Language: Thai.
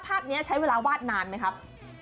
ภาพนี้ใช้เวลาวาดนานไหมครับ